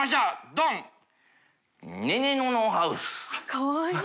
かわいい！